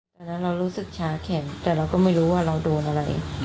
ตอนนั้นเรารู้สึกชาแข็งแต่เราก็ไม่รู้ว่าเราโดนอะไร